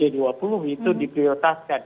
di g dua puluh itu diprioritaskan